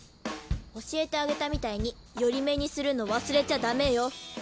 教えてあげたみたいに寄り目にするの忘れちゃ駄目よ。